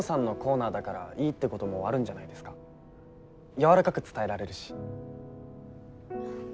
柔らかく伝えられるし。